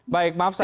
baik maaf pak